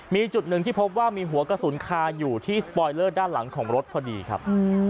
มีจุดหนึ่งที่พบว่ามีหัวกระสุนคาอยู่ที่สปอยเลอร์ด้านหลังของรถพอดีครับ